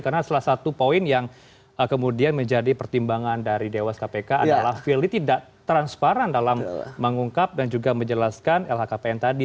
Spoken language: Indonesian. karena salah satu poin yang kemudian menjadi pertimbangan dari dewas kpk adalah fili tidak transparan dalam mengungkap dan juga menjelaskan lhkpn tadi